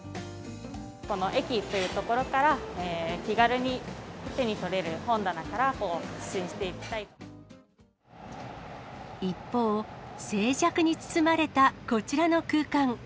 この駅という所から、気軽に手に取れる本棚から、一方、静寂に包まれたこちらの空間。